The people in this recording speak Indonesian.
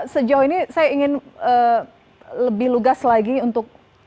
sejauh ini saya ingin lebih lugas lagi untuk